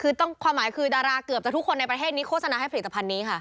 คือต้องความหมายคือดาราเกือบจะทุกคนในประเทศนี้โฆษณาให้ผลิตภัณฑ์นี้ค่ะ